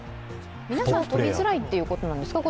皆さん、飛びづらいということなんですか？